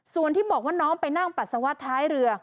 ส่วนที่บอกว่าน้องไปนั่งปัสสาวะท้ายเรือ